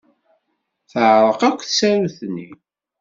Teɛreq akk tsarut-nni.